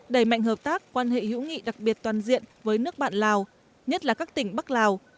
đẩy mạnh hợp tác quan hệ hữu nghị đặc biệt toàn diện với nước bạn lào nhất là các tỉnh bắc lào